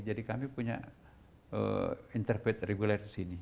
jadi kami punya interfaith regular di sini